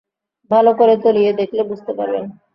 ভালো করে তলিয়ে দেখলে বুঝতে পারবেন।